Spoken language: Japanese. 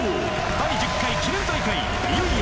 第１０回記念大会いよいよ